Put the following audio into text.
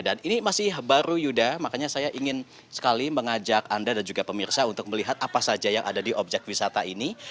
dan ini masih baru yuda makanya saya ingin sekali mengajak anda dan juga pemirsa untuk melihat apa saja yang ada di objek wisata ini